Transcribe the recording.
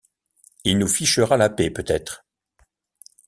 Il nous fichera la paix peut-être!